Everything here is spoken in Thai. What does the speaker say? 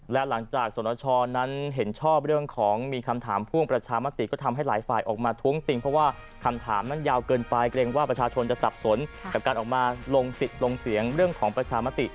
และหลังจากสนชนั้นเห็นชอบเรื่องของมีคำถามพ่วงประชามติก็ทำให้หลายฝ่ายออกมาท้วงติงเพราะว่าคำถามนั้นยาวเกินไปเกรงว่าประชาชนจะสับสนกับการออกมาลงสิทธิ์ลงเสียงเรื่องของประชามติ